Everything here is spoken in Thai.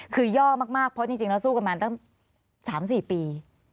คือย่อมากเพราะจริงแล้วสู้กันมาตั้ง๓๔ปี